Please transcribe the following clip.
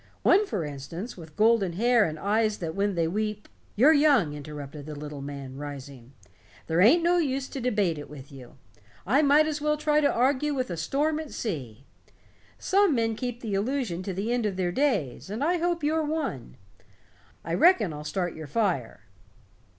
One, for instance, with golden hair, and eyes that when they weep " "You're young," interrupted the little man, rising. "There ain't no use to debate it with you. I might as well try to argue with a storm at sea. Some men keep the illusion to the end of their days, and I hope you're one. I reckon I'll start your fire."